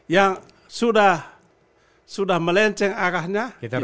yang sudah melenceng arahnya kita ubah